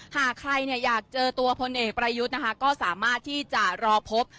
หากใครอยากเจอตัวพลเอกประยุทธ์นะคะก็สามารถที่จะรอพบ